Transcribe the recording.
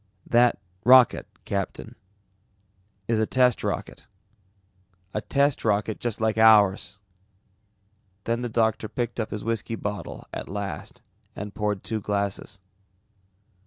"That rocket, Captain, is a test rocket. A test rocket just like ours!" Then the doctor picked up his whiskey bottle at last and poured two glasses.